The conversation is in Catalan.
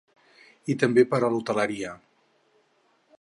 I també per a l’hoteleria.